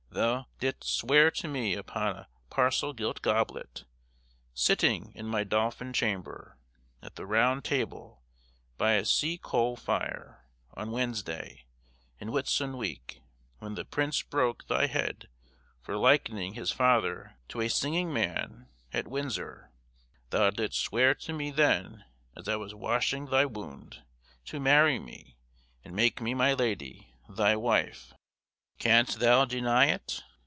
"Thou didst swear to me upon a parcel gilt goblet, sitting in my Dolphin chamber, at the round table, by a sea coal fire, on Wednesday, in Whitsun week, when the prince broke thy head for likening his father to a singing man at Windsor; thou didst swear to me then, as I was washing thy wound, to marry me, and make me my lady, thy wife. Canst thou deny it?"